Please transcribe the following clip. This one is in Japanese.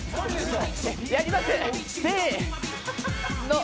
やります。